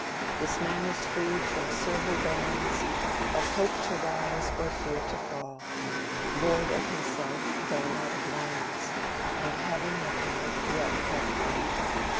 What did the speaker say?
....... This man is freed from servile bands Of hope to rise or fear to fall; Lord of himself though not of lands; And having nothing yet hath all."